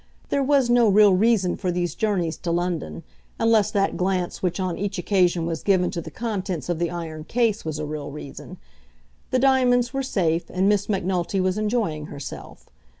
There was no real reason for these journeys to London, unless that glance which on each occasion was given to the contents of the iron case was a real reason. The diamonds were safe, and Miss Macnulty was enjoying herself.